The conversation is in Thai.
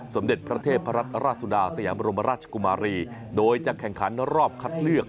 สมเด็จพระเทพรัตนราชสุดาสยามรมราชกุมารีโดยจะแข่งขันรอบคัดเลือก